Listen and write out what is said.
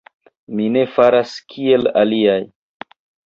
Mi ne faras, kiel aliaj.